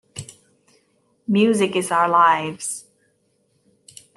Music is our lives.